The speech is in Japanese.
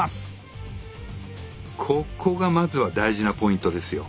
ここがまずは大事なポイントですよ。